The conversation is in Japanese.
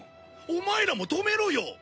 お前らも止めろよ！